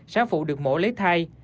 sáu phụ được mổ lấy thai